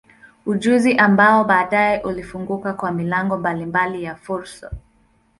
Ujuzi ambao baadaye ulimfunguka kwa milango mbalimbali ya fursa.